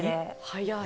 早い。